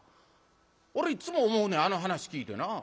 俺いっつも思うねんあの噺聴いてな。